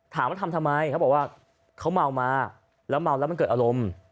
ถามว่าทำทำไมเขาบอกว่าเขาเมามาแล้วเมาแล้วมันเกิดอารมณ์